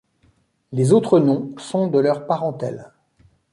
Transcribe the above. Les autres noms sont de leur parentèle.